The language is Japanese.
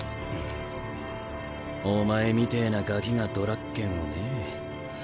お前みてぇなガキがドラッケンをねぇ。